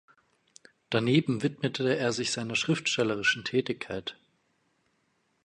Daneben widmete er sich seiner schriftstellerischen Tätigkeit.